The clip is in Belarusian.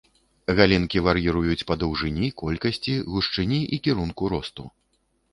Галінкі вар'іруюць па даўжыні, колькасці, гушчыні і кірунку росту.